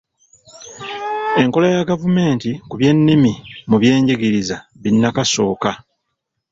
Enkola ya ggavumenti ku by’ennimi mu by’enjigiriza binnakasooka.